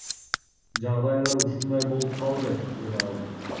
Жагдайлар ушундай болуп калды, — деди ал.